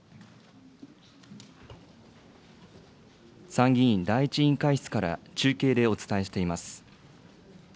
参議院第１委員会室から中継でお伝えしています。